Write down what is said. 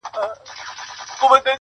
• محتسب چي هره ورځ آزارولم -